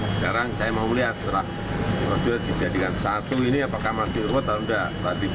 sekarang saya mau melihat setelah mobil dijadikan satu ini apakah masih ruwet atau enggak